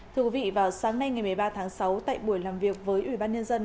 thưa quý vị vào sáng nay ngày một mươi ba tháng sáu tại buổi làm việc với ủy ban nhân dân